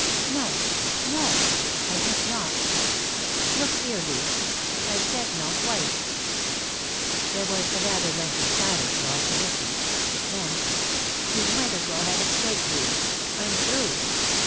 "No.... No, I think not.... Look here, Lou, I've said no twice." There was a rather lengthy silence while she listened. Then: "You might as well have it straight, Lou. I'm through....